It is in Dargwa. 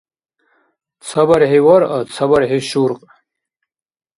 Ца бархӀи — варъа, ца бархӀи — шуркь.